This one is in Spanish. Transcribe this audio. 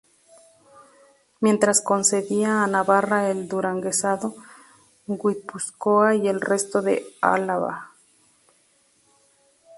Mientras concedía a Navarra el Duranguesado, Guipúzcoa y el resto de Álava.